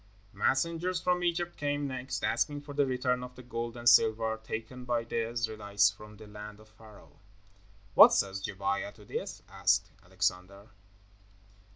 Messengers from Egypt came next, asking for the return of the gold and silver taken by the Israelites from the land of Pharaoh. "What says Gebiah to this?" asked Alexander.